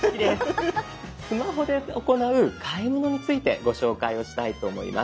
スマホで行う買い物についてご紹介をしたいと思います。